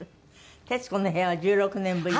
『徹子の部屋』は１６年ぶり？